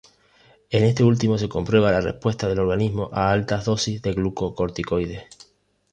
En este último se comprueba la respuesta del organismo a altas dosis de glucocorticoides.